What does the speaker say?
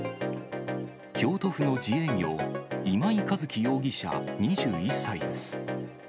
京都府の自営業、今井一輝容疑者２１歳です。